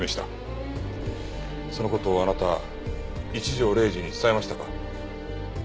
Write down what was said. その事をあなたは一条礼司に伝えましたか？